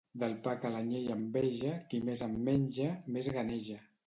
Del pa que l'anyell enveja, qui més en menja, més ganeja.